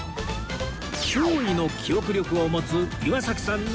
驚異の記憶力を持つ岩崎さんが。